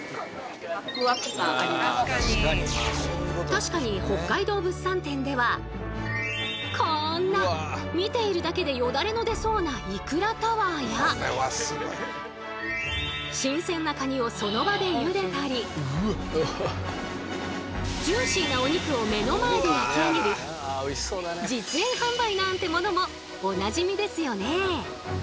確かにこんな見ているだけでヨダレの出そうないくらタワーや新鮮なカニをその場でゆでたりジューシーなお肉を目の前で焼き上げる実演販売なんてものもおなじみですよね。